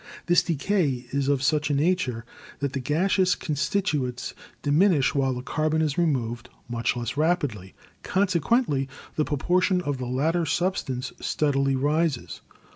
This decay is of such. a nature that the gaseous constituents diminish while the carbon is removed much less rapidly : consequently the proportion of the latter substance steadily rises.